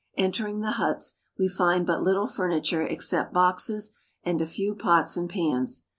Entering the huts, we find but httle furni ture except boxes and a few pots and pans.